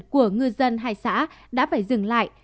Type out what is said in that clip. của ngư dân hay xã đã phải dừng lại